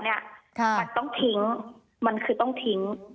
มันต้องทิ้งมันคือต้องทิ้ง